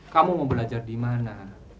kamu mau belajar dimana